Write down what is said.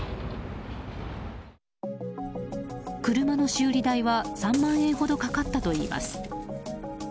車の修理代は３万円ほどかかったといいます。